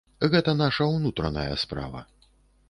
Гэта наша ўнутраная справа.